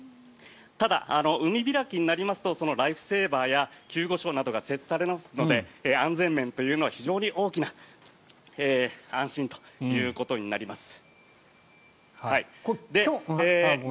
ただ、海開きになりますとライフセーバーや救護所などが設置されますので安全面というのは非常に大きな安心ということになります。